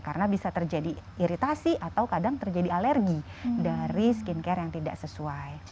karena bisa terjadi iritasi atau kadang terjadi alergi dari skincare yang tidak sesuai